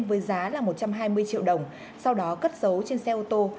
với giá là một trăm hai mươi triệu đồng sau đó cất dấu trên xe ô tô